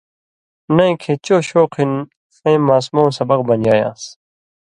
نَیں کھیں چو شوق ہِن ݜَیں ماسمؤں سبق بنیایان٘س۔